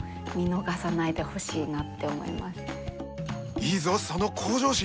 いいぞその向上心！